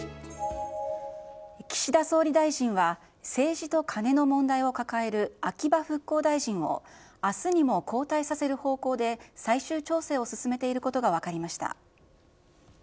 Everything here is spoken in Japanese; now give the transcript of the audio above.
岸田総理大臣は政治とカネの問題を抱える秋葉復興大臣を、あすにも交代させる方向で最終調整を進めていることが分かりました。